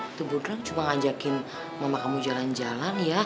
itu program cuma ngajakin mama kamu jalan jalan ya